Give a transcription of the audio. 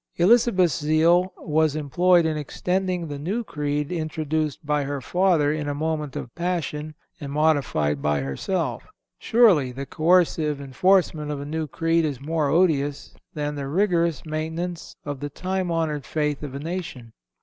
Elizabeth's zeal was employed in extending the new creed introduced by her father in a moment of passion, and modified by herself. Surely, the coercive enforcement of a new creed is more odious than the rigorous maintenance of the time honored faith of a nation.